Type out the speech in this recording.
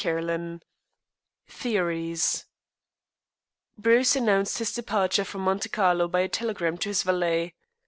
CHAPTER XI THEORIES Bruce announced his departure from Monte Carlo by a telegram to his valet.